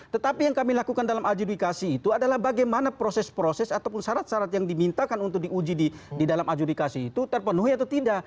tetapi yang kami lakukan dalam adjudikasi itu adalah bagaimana proses proses ataupun syarat syarat yang dimintakan untuk diuji di dalam adjudikasi itu terpenuhi atau tidak